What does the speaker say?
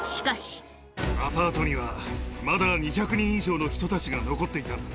アパートには、まだ２００人以上の人たちが残っていたんだ。